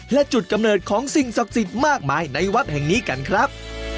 และจุดกำเนิดของสิ่งศักดิ์สิทธิ์มากมายในวัดแห่งนี้กันครับ